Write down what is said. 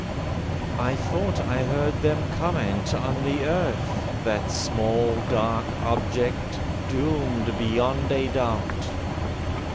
I thought I heard them comment on the earth— That small dark object—doomed beyond a doubt.